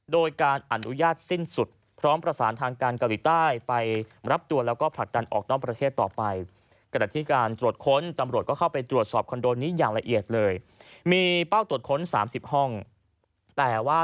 โดยการอนุญาตสิ้นสุดพร้อมประสานทางการเกาหลีใต้